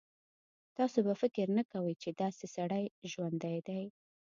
تاسو به فکر نه کوئ چې داسې سړی ژوندی دی.